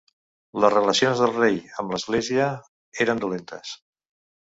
Les relacions del rei amb l'Església eren dolentes.